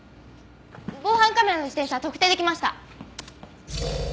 防犯カメラの自転車特定出来ました！